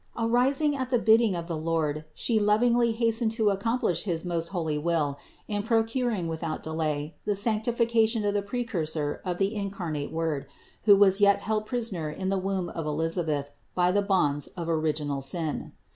Arising at the bidding of the Lord She lovingly hastened to accomplish his most holy will, in procuring without delay the sanctification of the Precur sor of the incarnate Word, who was yet held prisoner in the womb of Elisabeth by the bonds of original sin.